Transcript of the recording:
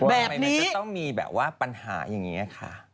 แบบนี้ทำไมจะต้องมีแบบว่าปัญหาอย่างนี้ค่ะ